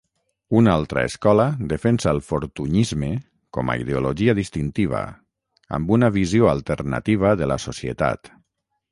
Una altra escola defensa el Fortuynisme com a ideologia distintiva, amb una visió alternativa de la societat.